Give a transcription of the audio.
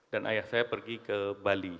dan ayah saya pergi ke bali